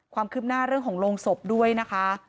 ความคืบหน้าเรื่องของโรงศพด้วยนะคะ